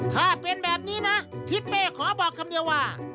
ถ้าเป็นแบบนี้นะทิศเป้ขอบอกคำเดียวว่า